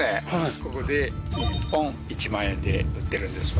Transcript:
ここで木１本１万円で売ってるんですわ